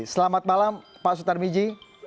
selamat malam pak sutar miji